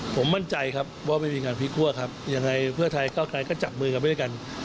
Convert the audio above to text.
ผมมั่นใจครับว่าไม่มีงานพลิกคั่วครับยังไงเพื่อไทยเก้าไกลก็จับมือกันไปด้วยกัน